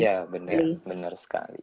ya benar sekali